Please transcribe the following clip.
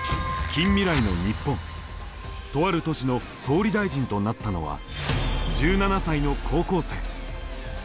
とある都市の総理大臣となったのは１７才の高校生。